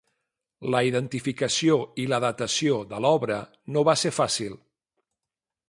La identificació i la datació de l'obra no va ser fàcil.